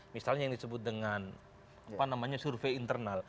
misalnya yang disebut dengan survei internal